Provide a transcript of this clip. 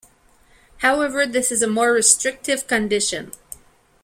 However, this is a more restrictive condition.